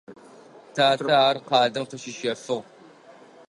Татэ ар къалэм къыщищэфыгъ.